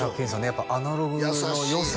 やっぱアナログのよさ